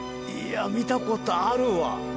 見たことあるわ。